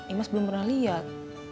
imas belum pernah liat